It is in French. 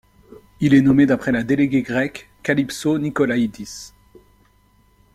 Il est nommé d'après la déléguée grecque Kalypso Nicolaïdis.